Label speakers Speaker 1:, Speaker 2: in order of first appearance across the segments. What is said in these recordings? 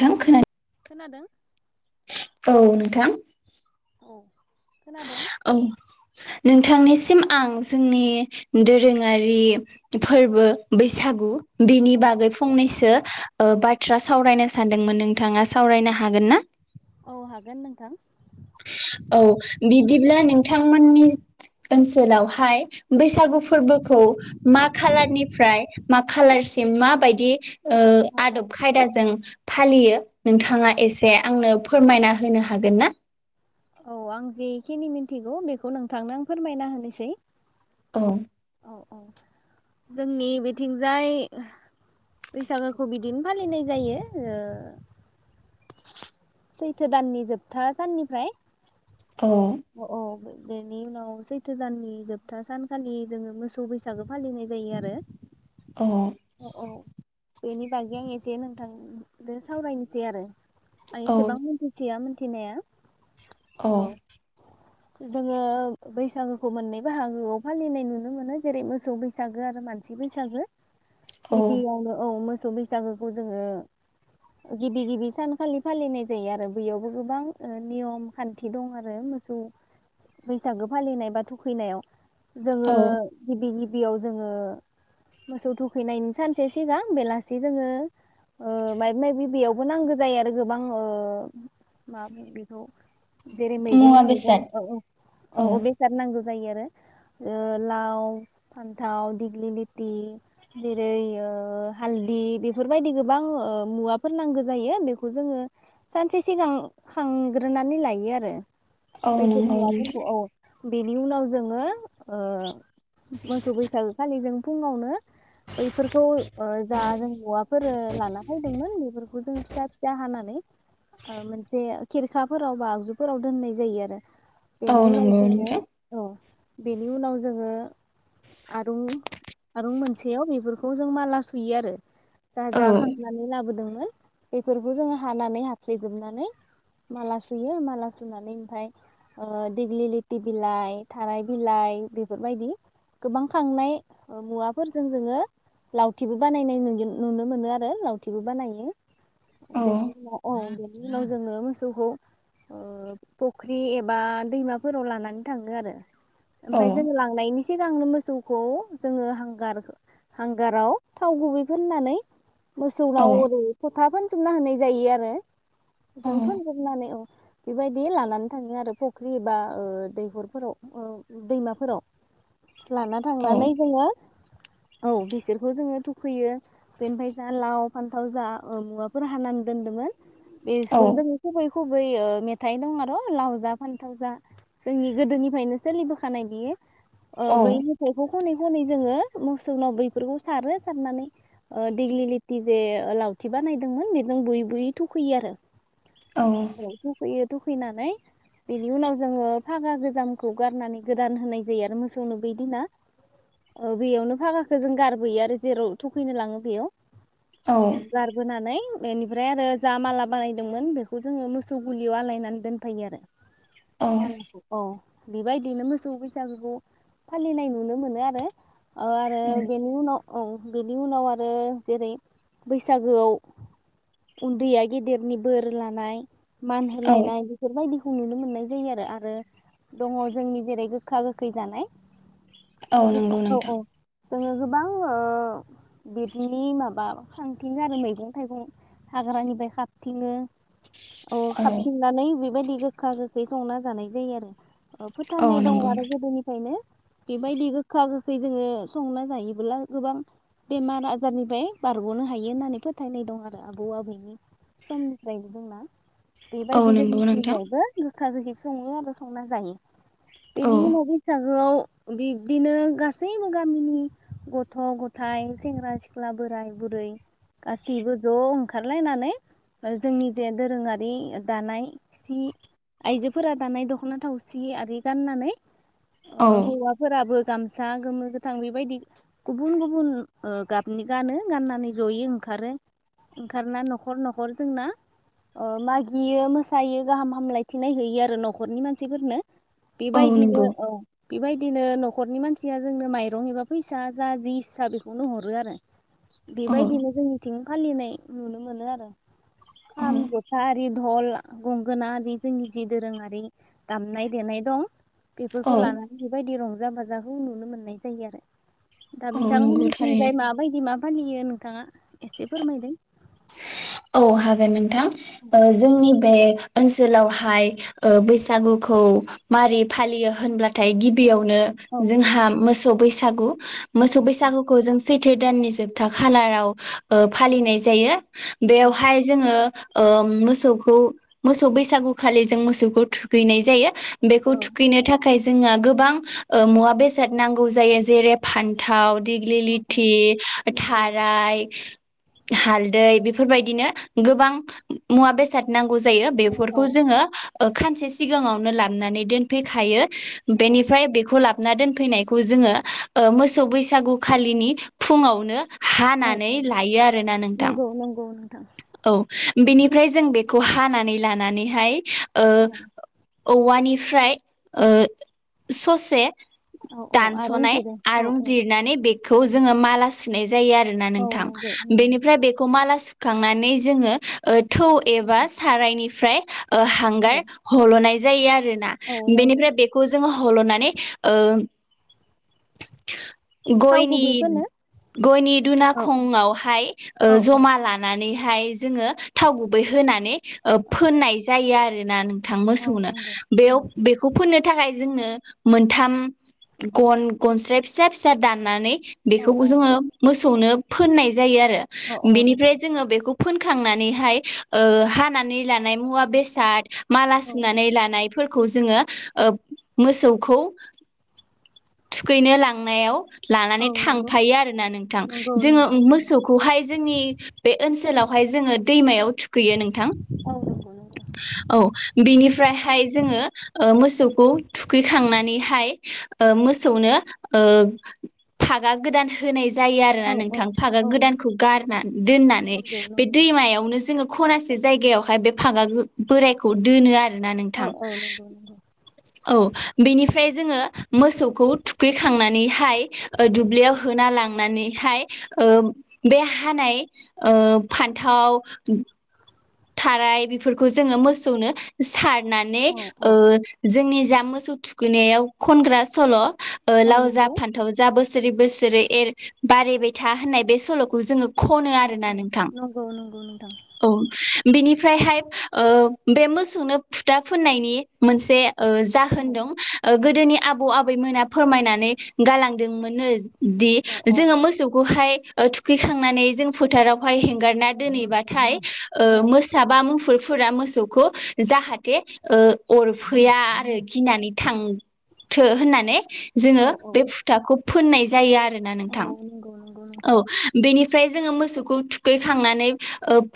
Speaker 1: थां खोना
Speaker 2: खोनादों
Speaker 1: औ नोंथां
Speaker 2: औ खोनादों
Speaker 1: औ नोंथांनिसिम आं जोंनि दोरोङारि फोरबो बैसागु बेनि
Speaker 2: औ औ
Speaker 1: बागै फंनैसो बा थ्रा सावरायनो सानदोंमोन नोंथाङा सावरायनो हागोन ना?
Speaker 2: औ हागोन नोंथां।
Speaker 1: बिदिब्ला नोंथांमोननि ओनसोलावहाय बैसागु
Speaker 2: औ
Speaker 1: फोरबोखौ मा खालारनिफ्राय मा खालारसि म मा बायदि ओ
Speaker 2: औ
Speaker 1: आदब खायदाजों फालियो नोंथाङा एसे आंनो फोरमायना होनो हागोन ना?
Speaker 2: औ आं जेखिनि मिथिगौ बेखौ नोंथांनो फोरमायना होनोसै
Speaker 1: औ
Speaker 2: औ औ जोंनि बेथिंजाय बैसागोखौ बिदिनो फालिनाय जायो सैथो दाननि जोबथा साननिफ्राय औ बेनि उनाव सैथो दाननि जोबथा सानखालि जोङो मोसौ बैसागो फालिनाय जायो आरो। औ औ बेनि बागै आं एसे नोंथांजों सावरायनोसै आरो आं
Speaker 1: औ
Speaker 2: एसेबां मोनथिसोया मोन थिनाया
Speaker 1: औ
Speaker 2: जोङो बैसागोखौ मोननै बाहागोआव फालिनाय नुनो मोनो जेरै मोसौ बैसागो आरो मानसि बैसागो
Speaker 1: औ
Speaker 2: बिबियावनो औ मो मोसौ बैसागोखौ जोङो गिबि गिबि सानखालि फालिनाय जायो आरो बैयावबो गोबां नियम खान्थि दं आरो मोसौ बैसागो फालिनाय बा थुखैनायाव
Speaker 1: औ
Speaker 2: जोङो गिबि गिबि बेयाव जोङो मोसौ थुखैनायनि सानसे सिगां बेलासि जोङो ओ माबा माबि बेयावबो नांगौ जायो आरो ओ गोबां माबाफोर बेखौ जेरै मैगं
Speaker 1: मुवा
Speaker 2: थाइगं
Speaker 1: बेसाद
Speaker 2: ओ औ बेेसाद नां गौ‌ जायो आरो लाव फान्थाव दिग्लिलिथि जेरै ओ हालदि बेफोरबायदि गोबां मुवाफोर नांगौ जायो। बेखौ जोङो सानसे सिगां खांग्रोनानै लायो आरो।
Speaker 1: औ
Speaker 2: बैफोर
Speaker 1: नंगौ
Speaker 2: मुवाफोरखौ
Speaker 1: नोंथां
Speaker 2: औ बेनि उनाव जोङो ओह मोसौ बैसागो खालि जों फुङावनो बैफोरखौ ओ जा जों मुवाफोरो लाना फैदोंमोन बेफोरखौ जों फिसा फिसा हानानै ओ मोनसे खेरखाफोराव बा आगजुफोराव दोननाय जायो आरो।
Speaker 1: औ
Speaker 2: बेनि उनाव
Speaker 1: नंगौ
Speaker 2: जोङो
Speaker 1: नोंथां
Speaker 2: औ बेनि उनाव जोङो आरुं आरुं मोनसेयाव बेफोरखौ जों माला सुयो आरो। जा
Speaker 1: औ
Speaker 2: जा खांनानै लाबोदोंमोन। बेफोरखौ जोङो हानानै हाफ्लेेजोबनानै माला सुयो माला सुनानै ओमफ्राय ओ दिग्लिलिथि बिलाइ थाराइ बिलाइ बेफोरबायदि गोबां खांनाय मुवाफोरजों जोङो लावथिबो बानायनाय नुयो नुनो मोनो आरो लावथिबो बानायो।
Speaker 1: औ
Speaker 2: बेनि उनाव औ उनाव जोङो मोसौखौ ओ फुख्रि एबा दैमाफोराव लानानै थाङो आरो।
Speaker 1: औ
Speaker 2: ओमफाय जोङो लांनायनि सिगांनो मोसौखौ जोङो हांगार हांगाराव थाव गुबै फोननानै
Speaker 1: औ
Speaker 2: मोसौनाव ओरै फोथा फोनजोबना होनाय जायो आरो। जोंथ जोबनानै औ बेबायदि लानानै थाङो आरो फुख्रि बा ओ दैखरफोराव ओ दैमाफोराव लाना
Speaker 1: औ
Speaker 2: थांनानै जोङो औ बिसोरखौ जोङो थुखैयो बेनिफ्राय जा लाव फान्थाव जा मुवाफोर हानानै दोनदोंमोन
Speaker 1: औ
Speaker 2: बेखौ जोङो खुबै खुबै मेथाइ दं आरो। लाव जा फानथाव जा जोंनि गोदोनिफ्रायनो सोलिबोखानाय बियो ओ
Speaker 1: औ
Speaker 2: बै‌ मेथाइखौ खनै खनै जोङो मोसौनाव बैफोरखौ सारो सारनानै ओ दिेग्लिलिथि जे लावथि बानायदोंमोन बेजों बुयै बुयै थुखैयो आरो। औ थुखैयो थु फैनानै बेनि उनाव जोङो फागा गोजामखौ गारनानै गोदान होनाय जायो आरो मोसौनो बैदिना ओ बेयावनो फागाखौ जों गारबोयो आरो जेराव थुखैनो लाङो बैयाव औ गारबोनानै बेनिफ्राय आरो जा माला बानायदोंमोन बेखौ जोङो मोसौ गलियाव आलायनानै दोन फोयो आरो।
Speaker 1: औ
Speaker 2: मालाखौ अ बेबायदिनो मोसौ बैसागुखौ फालिनाय नुनो मोनो आरो। ओ आरो बेनि उनाव औ बेनि उनाव आरो जेरै बैसागोआव उन्दैया गेदेरनि बोर लानाय मान
Speaker 1: औ
Speaker 2: होलायना बायदिखौ नुनो मोननाय जायो आरो आरो दङ जोंनि जेरै गोखा गोखै जानाय
Speaker 1: औ नंगौ
Speaker 2: गोखा औ
Speaker 1: नोंथां
Speaker 2: औ जोङो गोबां ओ बेदिनो माबा खांथिङो आरो मैगं थाइगं हाग्रानिफ्राय खाबथिङो अ
Speaker 1: औ
Speaker 2: खाबथिंनानै बि बायदि गोखा गोखै संना जानाय जायो आरो। औ फोथायनाय दङ
Speaker 1: नंगौ
Speaker 2: आरो
Speaker 1: नोंथां
Speaker 2: गोदोनिफायनो बेबायदि गोखा गोखै जोङो संना जायोब्ला गोबां बेमार आजारनिफ्राय बारग'नो हायो होननानै फोथायनाय दं आरो आबौ आबौनि समनिफ्रायनो जोंना।
Speaker 1: औ
Speaker 2: बेबायदि
Speaker 1: नंगौ
Speaker 2: जों
Speaker 1: नोंथां
Speaker 2: जायबा गो खा गोखि सङो आरो संना जायो।
Speaker 1: औ
Speaker 2: बेनि उनाव बैसागोआव बिब्दिनो गासैबो गामिनि गथ' ग'थाय सेंग्रा सिख्ला बोराय बुरै गासैबो ज' ओंखारलायनानै ओ जोंनि जे दोरोङारि दानाय सि आइजोफोरा दानाय दख'ना थावसि आरि गाननानै अ
Speaker 1: औ
Speaker 2: हौवाफोराबो गामसा गोमो गोथां बेबायदि गुबुन गुबुन ओ गाबनि गानो गाननानै जयो ओंखारो ओंखारना न'खर न'खर जोंना ओ मागियो मोस सायो गाहाम हामलायथिनाय होयो आरो न'खरनि मानसिफोरनो।
Speaker 1: औ
Speaker 2: बेबायदिनो
Speaker 1: नंगौ
Speaker 2: औ बेबायदिनो न'खरनि मानसिया जोंनो माइरं एबा फैसा जा जि गसा बेखौनो हरो आरो।
Speaker 1: औ
Speaker 2: बेबायदिनो जोंनिथिं फालिनाय नुनो मोनो आरो।
Speaker 1: औ
Speaker 2: खाम जथा रि धल गंगोना आरि जोंनि जि दोरोङारि दामनाय देनाय दं
Speaker 1: औ
Speaker 2: बेफोरखौ लानानै बेबायदि रंजा रंजा बाजाखौ नुनो मोननाय जायो आरो। दा
Speaker 1: औ नंगौ थारैनो
Speaker 2: बिथांमोननिथिंजाय माबायदि माब फालियो नोंथाङा एसे फोरमायदो।
Speaker 1: औ हागोन नों थां ओ
Speaker 2: औ
Speaker 1: जोंनि बे ओनसोलावहाय ओ बैसागुखौ मारि फालियो होनब्लाथाय गिबियाव नो
Speaker 2: औ
Speaker 1: जोंहा मोस बैसागु मोसौ
Speaker 2: औ
Speaker 1: बैसागुखौ जों सैथो दाननि जोबथा खालाराव ओ
Speaker 2: औ
Speaker 1: फालिनाय जायो।
Speaker 2: नंगौ
Speaker 1: बेवहाय जोङो ओ ओम मोसौखौ मोसौ बैसागु खालि जों मोसौखौ थुखैनाय जायो। बेखौ
Speaker 2: औ
Speaker 1: थुखैनो थाखाय जोङा गोबां ओ मुवा-बेसाद नांगौ जायो जेरै फानथाव दिग्लि
Speaker 2: औ औ
Speaker 1: लिथि,
Speaker 2: नंगौ
Speaker 1: थाराय हालदै बे फोरबायदिनो गोबां मुवा-बेसाद नां गौ जायो
Speaker 2: औ औ
Speaker 1: बेफोरखौ जोङो ओ खानसे सिगाङावनो लाबनानै दोनफैखायो।
Speaker 2: औ
Speaker 1: बेनिफ्राय बेखौ लाब ना दोनफैनायखौ जोङो ओ मोसौ बैसागु खालिनि फुङावनो
Speaker 2: औ
Speaker 1: हानानै
Speaker 2: औ
Speaker 1: लायो आरोना नोंथां।
Speaker 2: नंगौ [unintelligible]
Speaker 1: बिनिफ्राय जों बेखौ हानानै लानानैहाय ओ
Speaker 2: औ
Speaker 1: औवानिफ्राय ओ स'से
Speaker 2: औ औ आरं
Speaker 1: दानस'नाय
Speaker 2: जिरो औ
Speaker 1: आरुं
Speaker 2: औ
Speaker 1: जिरनानै बेखौ
Speaker 2: नंगौ
Speaker 1: जोङो माला सुनाय जायो आरोना
Speaker 2: औ
Speaker 1: नोंथां
Speaker 2: नंगौ नंगौ
Speaker 1: बेनिफ्राय बेखौ माला सु खांनानै जोङो ओ थौ एबा
Speaker 2: औ
Speaker 1: सारायनि फ्राय ओ हांगार
Speaker 2: औ
Speaker 1: हल'नाय जायो आ रोना
Speaker 2: औ नंगौ
Speaker 1: बेनिफ्राय बेखौ जों ह हल'नानै ओ
Speaker 2: थाव
Speaker 1: गयनि
Speaker 2: गुबै फोनो
Speaker 1: गयनि
Speaker 2: औ
Speaker 1: दुनाखंआवहाय ओ
Speaker 2: औ औ
Speaker 1: ज'मा ला नानैहाय जोङो थाव गुबै होनानै ओ
Speaker 2: औ
Speaker 1: फोननाय जायो आरो आरो ना नों थां
Speaker 2: औ
Speaker 1: मोसौनो
Speaker 2: नंगौ नंगौ
Speaker 1: बेखौनो बिनि थाखाय जोंनो मोनथाम गन-गनस्राय फिसा फिसा दाननानै
Speaker 2: औ
Speaker 1: बेखौ
Speaker 2: औ
Speaker 1: जोङो मोसौ नो फोननाय जायो आरो
Speaker 2: औ औ
Speaker 1: बेनिफ्राय
Speaker 2: नंगौ
Speaker 1: बेखौ फोनखांनानैहाय ओ हानानै लानाय मुवा बेसाद माला
Speaker 2: औ औ
Speaker 1: सुनानै लानायफोर खौ जोङो ओ मोसौखौ थुखैनो लांनायाव
Speaker 2: औ
Speaker 1: लानानै
Speaker 2: नंगौ
Speaker 1: थांफायो आरो ना नोंथां
Speaker 2: नंगौ
Speaker 1: जोङो
Speaker 2: नोंथां
Speaker 1: मोसौखौहाय जोंनि बे ओनसोलाव हाय जोङो दैमायाव थुखैयो नोंथां
Speaker 2: औ नंगौ नंगौ
Speaker 1: औ बेनिफ्रायहाय जोङो ओ मोसौखौ थुखैखांनानैहाय ओ मोसौनो ओ फागा गोदान होनाय जायो आरोना
Speaker 2: औ औ
Speaker 1: नोंथां फागा
Speaker 2: औ
Speaker 1: गोदानखौ गारना दोननानै
Speaker 2: नंगौ
Speaker 1: बे
Speaker 2: नंगौ
Speaker 1: दैमायावनो जोङो खनासे जायगायावहाय बे फागा बोरायखौ दोनो आरो ना
Speaker 2: औ
Speaker 1: नोंथां
Speaker 2: औ नंगौ नंगौ
Speaker 1: औ बेनिफ्राय जोङो मोसौखौ थुखैखांनानैहाय दुब्लियाव होना लांनानैहाय बे हानाय फान्थाव थाराय बेफोरखौ जोङो मोसौनो सार नानै
Speaker 2: औ औ
Speaker 1: जोंनि जा मोसौ थुखैनायाव खनग्रा सल'
Speaker 2: औ
Speaker 1: लाव जा
Speaker 2: नंगौ
Speaker 1: फान्थाव जा बोस बोसोरै बोसोरै एर बारायबाय था होननाय बे सल'खौ जोङो खनो
Speaker 2: औ
Speaker 1: आरोना
Speaker 2: औ
Speaker 1: नोंथां
Speaker 2: नंगौ नंगौ नोंथां
Speaker 1: औ ओमफ्रायहाय बे मोसौनो फुथा फुननायनि मोनसे
Speaker 2: औ
Speaker 1: जाहोन दं गोदोनि आबौ आबैमोना फोरमायनानै गालांदोंमोननो दि
Speaker 2: औ
Speaker 1: जोङो मोसौखौहाय थुखैखांनानै जों फोथारावहाय हेंगारना दोनहैबाथाय
Speaker 2: औ
Speaker 1: बा मुफुरफोरा मोसौखौ जाहाथे अरफैया आरो गिनानै थांथो होननानै जोङो
Speaker 2: औ औ
Speaker 1: बे फुथाखौ फोननाय जायो आरोना
Speaker 2: औ
Speaker 1: नोंथां
Speaker 2: नंगौ नंगौ
Speaker 1: औ
Speaker 2: नोंथां
Speaker 1: बेनि ओमफ्राय जोङो मोसौखौ थुखैखांनानै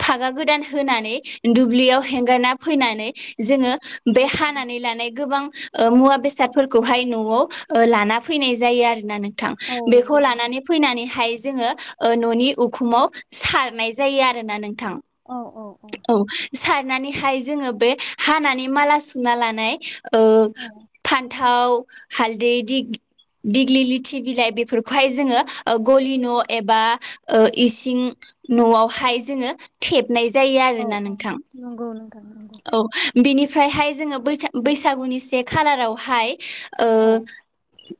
Speaker 1: फागा गोदान होनानै दुब्लियाव हेंगारना फैनानै जोङो
Speaker 2: औ
Speaker 1: बे
Speaker 2: औ
Speaker 1: हानानै लानाय गोबां ओ मुवा बेसादफोरखौहाय न'वाव लाना फैनाय जायो आरोना नों थां
Speaker 2: औ
Speaker 1: बेखौ
Speaker 2: नंगौ नोंथां
Speaker 1: लानानै फैनानैहाय जोङो ओ न'नि उखुमाव सारनाय जायो आरोना नोंथां
Speaker 2: औ
Speaker 1: औ सारनानैहाय जोङो बे हानानै माला सुना लानाय
Speaker 2: औ
Speaker 1: फान थाव हालदै दिग्लि लिथि बिलाइ बेफोरखौहाय जोङो गलि न' एबा इसिं न'वावहाय जोङो थेब होननाय जायो
Speaker 2: औ
Speaker 1: आरोना
Speaker 2: औ
Speaker 1: नोंथां
Speaker 2: नंगौ नोंथां नंगौ
Speaker 1: औ बिनिफ्रायहाय जोङो बैसागुनि से खालारावहाय
Speaker 2: औ
Speaker 1: ओ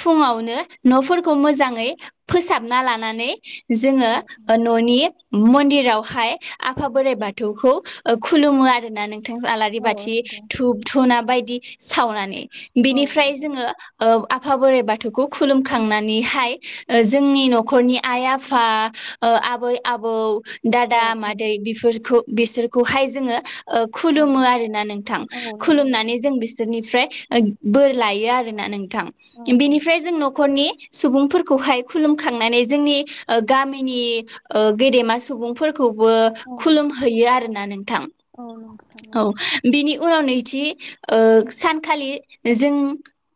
Speaker 1: फुङावनो न'फोरखौ मोजाङै फोसाबना लानानै जोङो
Speaker 2: औ
Speaker 1: ओ न'नि मन्दिरावहाय आफा बोराइ बाथौखौ खुलुमो आरो ना नों थां आलारि
Speaker 2: औ औ
Speaker 1: बाथि
Speaker 2: नंगौ
Speaker 1: धुब धुना बायदि सावनानै
Speaker 2: औ
Speaker 1: बिनिफ्राय
Speaker 2: नोंथां
Speaker 1: जोङो औ आफा बोराइ बाथौखौ खुलुमखांनानैहाय जोंनि न'खरनि आइ आफा ओ आबै आबौ
Speaker 2: औ
Speaker 1: दादा
Speaker 2: औ
Speaker 1: मादै बेफोरखौ बिसोरखौहाय जोङो ओ
Speaker 2: औ
Speaker 1: खुलुमो आरोना नोंथां
Speaker 2: औ नंगौ
Speaker 1: खुलुमनानै
Speaker 2: नोंथां
Speaker 1: जों बिसोरनिफ्राय ओ बोर लायो आरोना नोंथां
Speaker 2: औ औ
Speaker 1: बेनिफ्राय जों न'खरनि सुबुंफोरखौहाय खुलुमखांनानै जोंनि ओ गामिनि ओ गेदेमा सुबुंफोर खौबो
Speaker 2: औ
Speaker 1: खुलुम हैैयो आरो ना‌ नों थां
Speaker 2: औ नोंथां
Speaker 1: औ
Speaker 2: नंगौ
Speaker 1: बिनि उनाव नै थि ओ सानखालि जों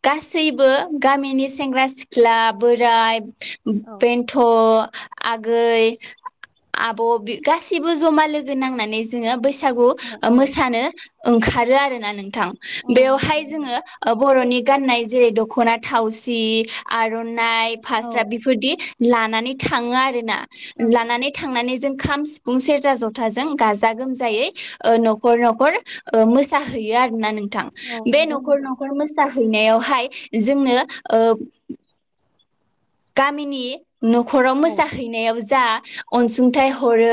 Speaker 1: गासै बो गामिनि सेंग्रा सिख्ला बोराय
Speaker 2: औ
Speaker 1: बेनथ' आगै आब' बि गासिबो जमा लोगो नांनानै जोङो बैसागु
Speaker 2: औ
Speaker 1: ओ
Speaker 2: औ
Speaker 1: मोसानो ओंखारो आरो ना नों थां
Speaker 2: औ
Speaker 1: बेवहाय
Speaker 2: नोंथां नंगौ
Speaker 1: जोङो बर'नि गाननाय जे द ख'ना थावसि आरन नाय
Speaker 2: औ
Speaker 1: फास्रा बेफोरदि लानानै थाङो आरो ना
Speaker 2: औ
Speaker 1: लानानै
Speaker 2: औ
Speaker 1: थांनानै जों खाम सिफुं सेरजा जथाजों गाजा गोमजायै ओ न'खर न'खर ओ मोसाहैयो आरोना नों थां
Speaker 2: औ
Speaker 1: बे
Speaker 2: नंगौ
Speaker 1: न'खर
Speaker 2: नोंथां
Speaker 1: न'खर मोसा हैनायावहाय जोंनो‌ ओ गामिनि न'खराव
Speaker 2: औ
Speaker 1: मोसाहैनायाव जा अनसुंथाइ हरो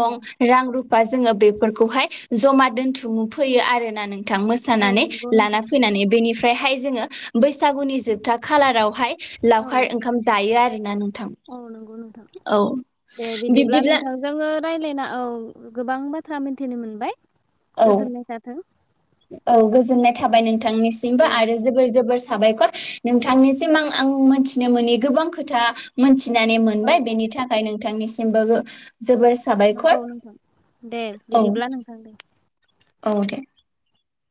Speaker 2: औ
Speaker 1: रां रु पा जोङो बेफोरखौहाय जमा दोनथुम फैयो आरोना नों थां
Speaker 2: औ
Speaker 1: मोसानानै
Speaker 2: नंगौ
Speaker 1: लाना
Speaker 2: नोंथां नंगौ
Speaker 1: फैनानै बेनि ओमफ्रायहाय जोङो बैसागुनि जोबथा खालारावहाय
Speaker 2: औ
Speaker 1: लावखार जायो आरोना। नोंथां
Speaker 2: औ नंगौ नोंथां
Speaker 1: औ
Speaker 2: दे बिदिब्ला
Speaker 1: बिब्दिब्ला
Speaker 2: नोंथां जोंङो रायलायना औ गोबां बाथ्रा मिथिनो मोनबाय।
Speaker 1: औ
Speaker 2: गोजोननाय थाथों।
Speaker 1: औ गोजोननाय
Speaker 2: औ
Speaker 1: थाबाय नोंथांनिसिमबो
Speaker 2: दे
Speaker 1: आरो
Speaker 2: नोंथां
Speaker 1: जोबोर जोबोर साबायखर
Speaker 2: औ
Speaker 1: नोंथांनिसिम आं आं मिथिनो मोनि गोबां खोथा मोनथि नानै
Speaker 2: औ
Speaker 1: मोनबाय
Speaker 2: औ
Speaker 1: बेनि थाखाय नोंथां निसिमबो
Speaker 2: नंगौ नोंथां दे
Speaker 1: औ
Speaker 2: बिदिब्ला नोंथां दे
Speaker 1: औ दे